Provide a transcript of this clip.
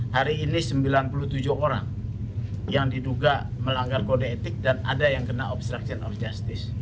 hari ini sembilan puluh tujuh orang yang diduga melanggar kode etik dan ada yang kena obstruction of justice